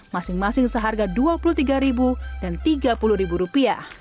masing masing seharga rp dua puluh tiga dan rp tiga puluh